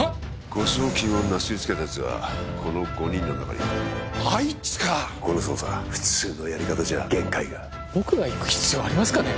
誤送金をなすりつけたやつがこの５人の中にいるあいつかこの捜査普通のやり方じゃ限界が僕が行く必要ありますかね